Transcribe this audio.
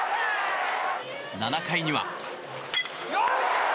７回には。